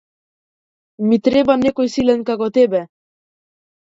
Ми треба некој силен како тебе.